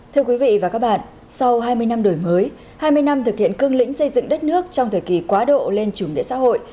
thưa quý vị và các bạn sau hai mươi năm đổi mới hai mươi năm thực hiện cương lĩnh xây dựng đất nước trong thời kỳ quá độ lên chủ nghĩa xã hội